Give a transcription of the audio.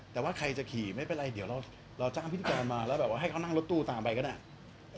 แต่ว่าใครจะขี่ไม่เป็นไรเดี๋ยวเราจ้างพิธีกรมาแล้วแบบว่าให้เขานั่งรถตู้ตามไปก็ได้